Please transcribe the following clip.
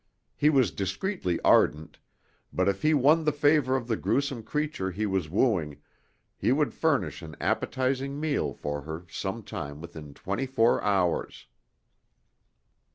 He was discreetly ardent, but if he won the favor of the gruesome creature he was wooing, he would furnish an appetizing meal for her some time within twenty four hours.